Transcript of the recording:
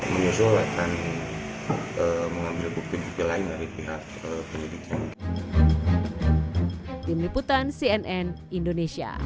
menyusul akan mengambil bukti bukti lain dari pihak penyidik